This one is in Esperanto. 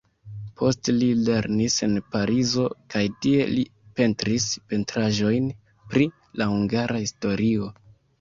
Poste li lernis en Parizo kaj tie li pentris pentraĵojn pri la hungara historio.